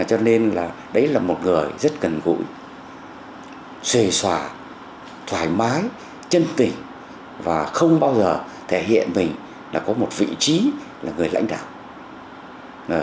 cho nên là đấy là một người rất gần gũi xê xóa thoải mái chân tỷ và không bao giờ thể hiện mình là có một vị trí là người lãnh đạo